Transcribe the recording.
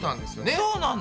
そうなんだ。